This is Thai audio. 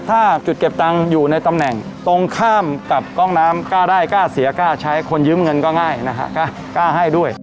ถ้าจุดเก็บตังค์อยู่ในตำแหน่งตรงข้ามกับกล้องน้ำกล้าได้กล้าเสียกล้าใช้คนยืมเงินก็ง่ายนะฮะกล้าให้ด้วย